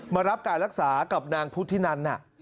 มารับการรักษากับนางพุทธินัน